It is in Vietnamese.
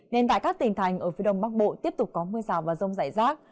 nên tại các tỉnh thành ở phía đông bắc bộ tiếp tục có mưa rào và rông rải rác